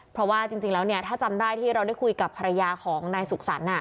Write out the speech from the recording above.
เพราะว่าจริงแล้วเนี่ยถ้าจำได้ที่เราได้คุยกับภรรยาของนายสุขสรรค์